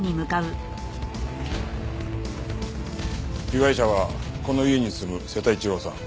被害者はこの家に住む瀬田一郎さん。